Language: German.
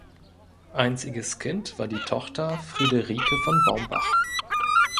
Einziges Kind war die Tochter Friederike von Baumbach.